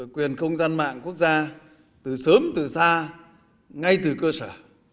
quyền không gian mạng quốc gia từ sớm từ xa ngay từ cơ sở